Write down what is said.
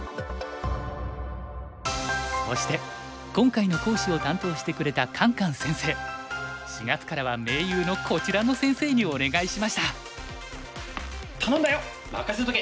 そして今回の講師を担当してくれたカンカン先生４月からは盟友のこちらの先生にお願いしました。